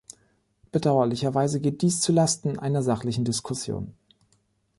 Bedauerlicherweise geht dies zu Lasten einer sachlichen Diskussion.